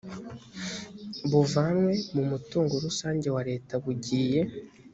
buvanywe mu mutungo rusange wa leta bugiye